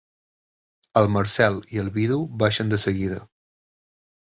El Marcel i el vidu baixen de seguida.